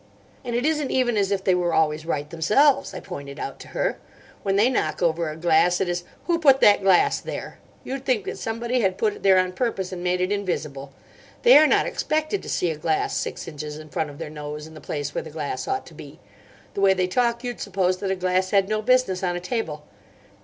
"And it isn't even as if they were always right themselves," I pointed out to her. "When they knock over a glass it is, 'Who put that glass there?' You'd think that somebody had put it there on purpose and made it invisible. They are not expected to see a glass six inches in front of their nose, in the place where the glass ought to be. The way they talk you'd suppose that a glass had no business on a table.